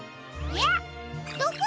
えっ！